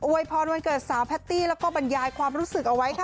วยพรวันเกิดสาวแพตตี้แล้วก็บรรยายความรู้สึกเอาไว้ค่ะ